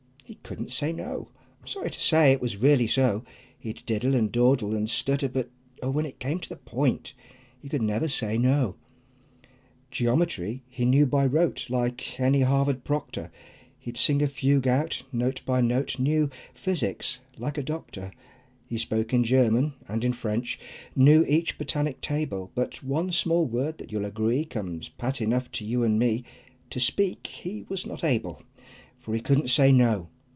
He couldn't say "No!" I'm sorry to say it was really so! He'd diddle, and dawdle, and stutter, but oh! When it came to the point he could never say "No!" Geometry he knew by rote, Like any Harvard Proctor; He'd sing a fugue out, note by note; Knew Physics like a Doctor; He spoke in German and in French; Knew each Botanic table; But one small word that you'll agree Comes pat enough to you and me, To speak he was not able: For he couldn't say "No!"